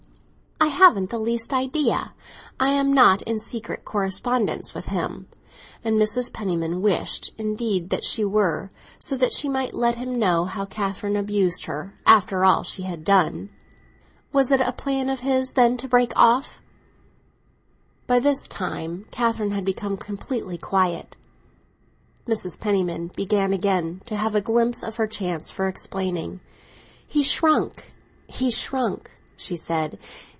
"I haven't the least idea; I am not in secret correspondence with him!" And Mrs. Penniman wished indeed that she were, so that she might let him know how Catherine abused her, after all she had done. "Was it a plan of his, then, to break off—?" By this time Catherine had become completely quiet. Mrs. Penniman began again to have a glimpse of her chance for explaining. "He shrank—he shrank," she said.